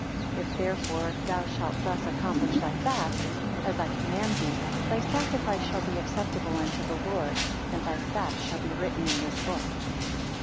32 If therefore thou shalt thus accomplish thy fast, as I command thee, thy sacrifice shall be acceptable unto the Lord, and thy fast shall be written in his book.